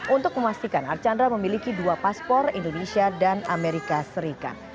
untuk memastikan archandra memiliki dua paspor indonesia dan amerika serikat